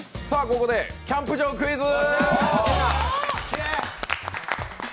ここでキャンプ場クイズ！